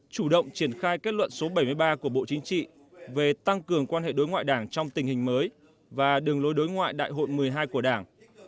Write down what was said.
chủ động triển khai kết luận số bảy mươi ba của bộ chính trị về tăng cường quan hệ đối ngoại đảng trong tình hình mới và đường lối đối ngoại đại hội một mươi hai của đảng